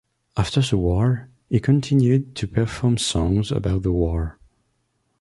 After the war, he continued to perform songs about the war.